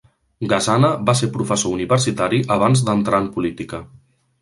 Gasana va ser professor universitari abans d'entrar en política.